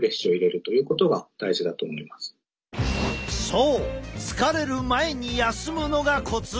そう疲れる前に休むのがコツ！